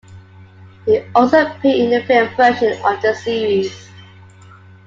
He also appeared in the film version of the series.